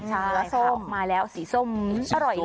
ใช่ครับมาแล้วสีส้มอร่อยเร็ว